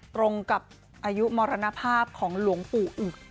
ตรงกับอายุมรณภาพของหลวงปู่อึก